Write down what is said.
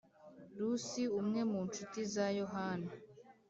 rusi umwe mu nshuti za yohana